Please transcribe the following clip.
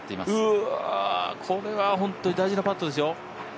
うわ、これは本当に大事なパットですよ。